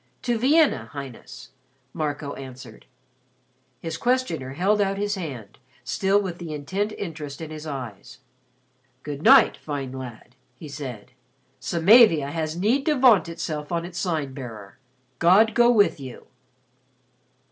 "To Vienna, Highness," Marco answered. His questioner held out his hand, still with the intent interest in his eyes. "Good night, fine lad," he said. "Samavia has need to vaunt itself on its Sign bearer. God go with you."